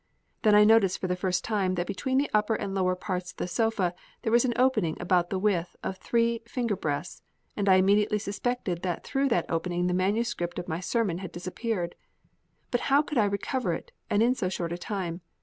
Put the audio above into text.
Then I noticed for the first time that between the upper and lower parts of the sofa there was an opening about the width of three finger breadths, and I immediately suspected that through that opening the manuscript of my sermon had disappeared. But how could I recover it, and in so short a time?